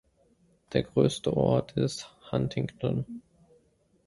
Der größte Ort ist Huntington.